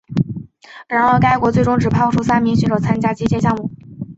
然而该国最终只派出三名选手参加击剑项目。